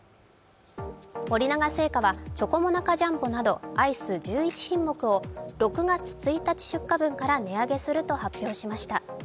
森永製菓はチョコモナカジャンボなどアイス１１品目を６月１日出荷分から値上げすると発表しました。